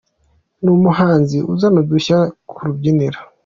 Ni umuhanzi uzana udushya ku rubyiniro